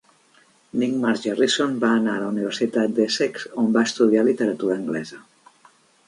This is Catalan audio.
Nick Margerrison va anar a la Universitat d'Essex on va estudiar Literatura Anglesa.